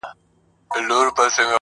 • سوال کوم کله دي ژړلي گراني .